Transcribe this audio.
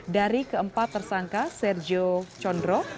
dari keempat tersangka sergio condro